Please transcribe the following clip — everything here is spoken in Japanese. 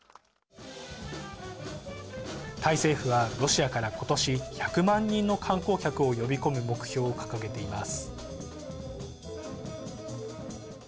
タイ政府はロシアから今年１００万人の観光客を呼び込む目標を掲げています。